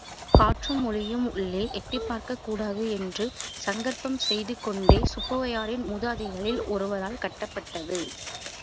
காற்றும் ஒளியும் உள்ளே எட்டிப் பார்க்கக் கூடாது என்று சங்கற்பம் செய்து கொண்ட சுப்புவையாரின் மூதாதைகளில் ஒருவரால் கட்டப்பட்டது.